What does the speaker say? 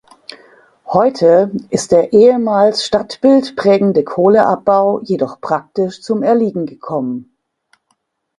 Heute ist der ehemals stadtbildprägende Kohleabbau jedoch praktisch zum Erliegen gekommen.